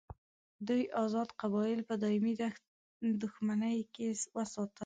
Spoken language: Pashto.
دوی آزاد قبایل په دایمي دښمني کې وساتل.